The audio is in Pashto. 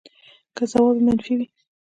که ځواب منفي وي